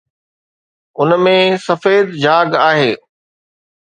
ان ۾ سفيد جھاگ آهي